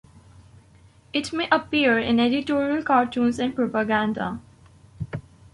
It may appear in editorial cartoons and propaganda.